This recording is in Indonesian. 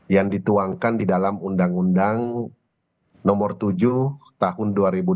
dua ribu dua puluh satu yang dituangkan di dalam undang undang nomor tujuh tahun dua ribu dua puluh satu